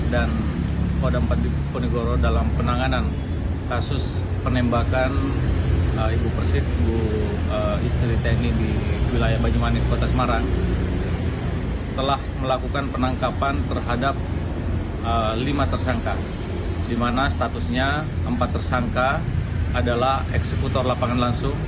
dimana statusnya empat tersangka adalah eksekutor lapangan langsung